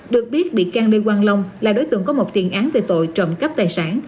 được biết bị can lê quang long là đối tượng có một tiền án về tội trộm cắp tài sản